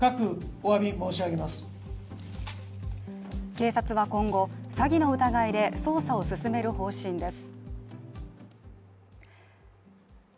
警察は今後、詐欺の疑いで捜査を進める方針です。